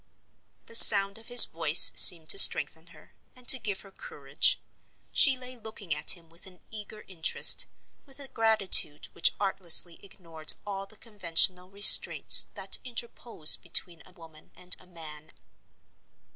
The sound of his voice seemed to strengthen her, and to give her courage. She lay looking at him with an eager interest, with a gratitude which artlessly ignored all the conventional restraints that interpose between a woman and a man.